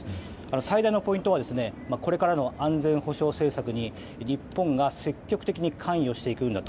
最大のポイントはこれからの安全保障政策に日本が積極的に関与していくんだと。